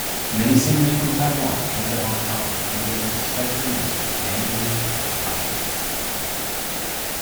Many singers from Taiwan came to Hong Kong creating a spectrum of Mandarin pop.